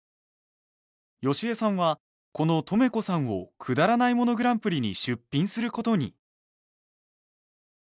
好江さんはこのとめこさんをくだらないものグランプリに出品する事に。